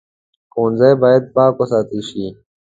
ښوونځی باید پاک وساتل شي